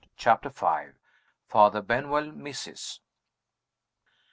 CHAPTER V. FATHER BENWELL MISSES.